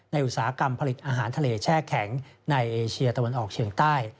อุตสาหกรรมผลิตอาหารทะเลแช่แข็งในเอเชียตะวันออกเฉียงใต้